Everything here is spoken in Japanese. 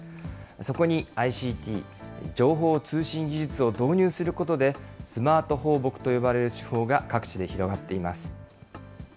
そこにＩＣＴ・情報通信技術を導入することで、スマート放牧と呼ばれる手法が各地で広がっています。